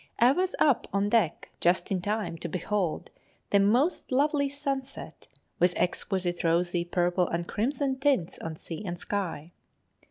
I was up on deck just in time to behold the most lovely sunset, with exquisite rosy, purple, and crimson tints on sea and sky.